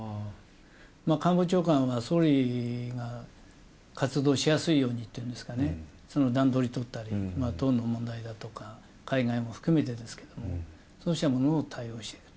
官房長官は総理が活動しやすいようにといいますか、その段取り取ったり、党の問題だとか、海外も含めてですけれども、そうしたものを対応していく。